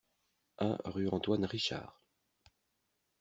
un rue Antoine Richard